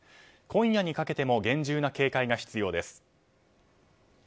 今夜にかけても厳重な警戒が必要です。